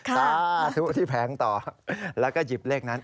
สาธุที่แผงต่อแล้วก็หยิบเลขนั้น